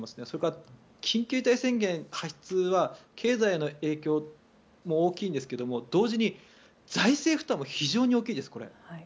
それから、緊急事態宣言発出は経済への影響も大きいですけども同時に財政負担も非常に大きいです、これ。